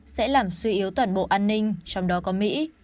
sẽ làm suy yếu toàn bộ an ninh trong đó có mỹ